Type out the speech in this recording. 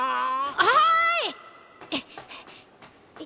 はい！